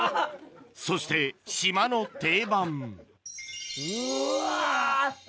そして島の定番うわ！